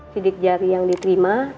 tidik jari yang diterima